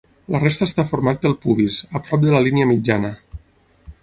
La resta està format pel pubis, a prop de la línia mitjana.